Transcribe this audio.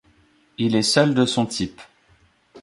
Il est seul de son type.